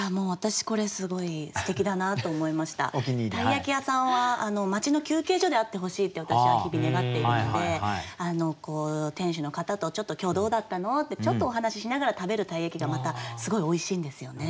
鯛焼屋さんは町の休憩所であってほしいって私は日々願っているので店主の方とちょっと今日どうだったの？ってちょっとお話ししながら食べる鯛焼がまたすごいおいしいんですよね。